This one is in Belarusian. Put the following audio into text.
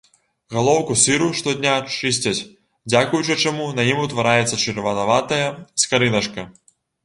Галоўку сыру штодня чысцяць, дзякуючы чаму на ім утвараецца чырванаватая скарыначка.